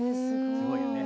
すごいよね。